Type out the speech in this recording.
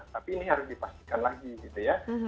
tapi ini harus dipastikan lagi gitu ya